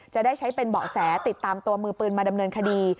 จะได้ใช้เป็นเบาะแสติดตามตัวมือปืนมาดำเนินคดี